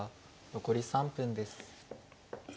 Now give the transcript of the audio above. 残り３分です。